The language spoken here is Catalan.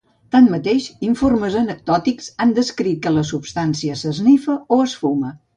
Tanmateix, informes anecdòtics han descrit que la substància s'esnifa o es fuma.